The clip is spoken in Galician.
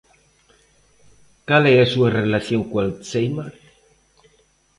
Cal é a súa relación co alzhéimer?